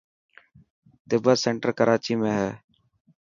تبت سينٽر ڪراچي ۾ هي.